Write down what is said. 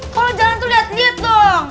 kalau jalan tuh lihat lihat dong